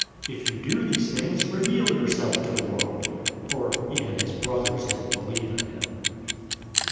If you do these things, reveal yourself to the world." 007:005 For even his brothers didn't believe in him.